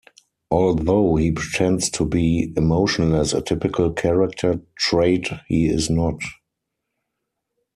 Although he pretends to be emotionless-a typical character trait-he is not.